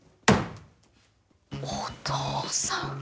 お父さん。